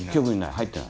入ってない？